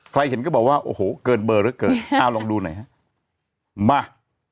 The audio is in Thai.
เห็นก็บอกว่าโอ้โหเกินเบอร์เหลือเกินอ้าวลองดูหน่อยฮะมา